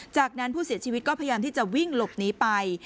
จากนั้นผู้เสียชีวิตก็พยายามที่จะวิ่งหลบหนีไป